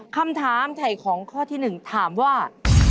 คำถามไถ่ของข้อที่๑ถามว่า